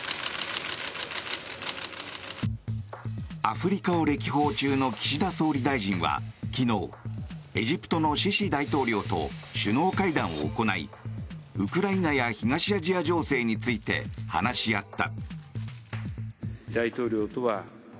アフリカを歴訪中の岸田総理大臣は昨日、エジプトのシシ大統領と首脳会談を行いウクライナや東アジア情勢について話し合った。